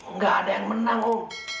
nggak ada yang menang om